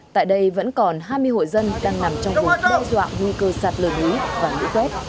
tại đây vẫn còn hai mươi hội dân đang nằm trong vùng đe dọa nguy cơ sạt lở núi và lũ quét